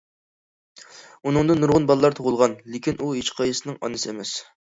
ئۇنىڭدىن نۇرغۇن بالىلار تۇغۇلغان، لېكىن ئۇ ھېچقايسىسىنىڭ ئانىسى ئەمەس.